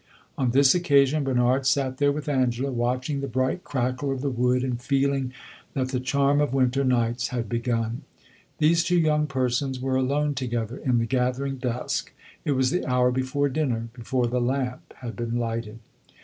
On this occasion Bernard sat there with Angela, watching the bright crackle of the wood and feeling that the charm of winter nights had begun. These two young persons were alone together in the gathering dusk; it was the hour before dinner, before the lamp had been lighted.